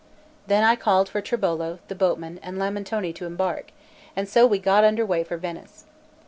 Then I called for Tribolo, the boatman, and Lamentone to embark; and so we got under way for Venice.